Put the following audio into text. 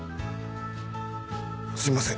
すいません